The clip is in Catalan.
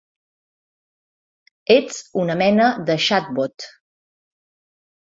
Ets una mena de xatbot.